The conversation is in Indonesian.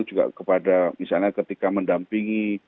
juga kepada misalnya ketika mendampingi